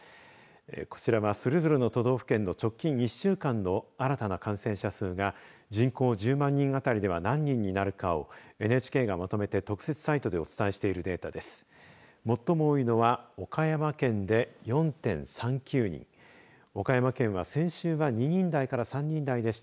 こちらは、それぞれの都道府県の直近１週間の新たな感染者数が人口１０万人あたりでは何人になるかをＮＨＫがまとめて特設サイトでお伝えしているデータです。